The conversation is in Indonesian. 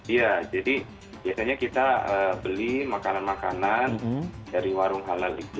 iya jadi biasanya kita beli makanan makanan dari warung halal itu